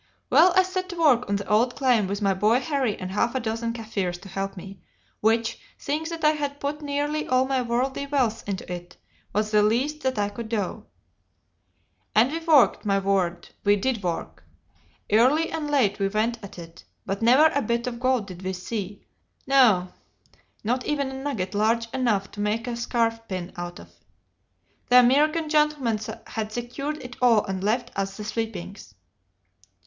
"Well, I set to work on the old claim with my boy Harry and half a dozen Kaffirs to help me, which, seeing that I had put nearly all my worldly wealth into it, was the least that I could do. And we worked, my word, we did work early and late we went at it but never a bit of gold did we see; no, not even a nugget large enough to make a scarf pin out of. The American gentleman had secured it all and left us the sweepings.